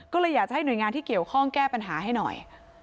ก็เลยอยากจะให้หน่วยงานที่เกี่ยวข้องแก้ปัญหาให้หน่อย